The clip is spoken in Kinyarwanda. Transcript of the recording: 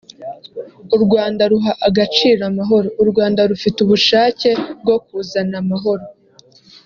“u Rwanda ruha agaciro amahoro; u Rwanda rufite ubushake bwo kuzana amahoro